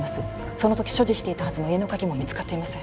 その時所持していたはずの家の鍵も見つかっていません